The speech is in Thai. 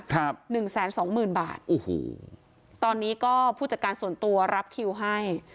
หนึ่งแสนสองหมื่นบาทโอ้โหตอนนี้ก็ผู้จัดการส่วนตัวรับคิวให้